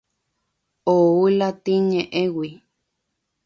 Ou latín ñe'ẽgui.